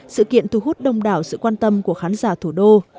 sự kiện thu hút đông đảo sự quan tâm của khán giả thủ đô